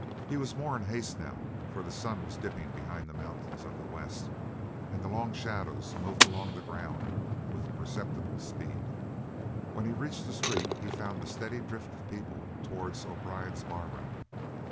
He was more in haste now, for the sun was dipping behind the mountains of the west and the long shadows moved along the ground with a perceptible speed. When he reached the street he found a steady drift of people towards O'Brien's barroom.